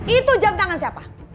itu jam tangan siapa